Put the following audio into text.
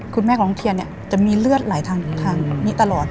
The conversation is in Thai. คุณแม่ของน้องเทียนเนี่ยจะมีเลือดไหลทางนี้ตลอด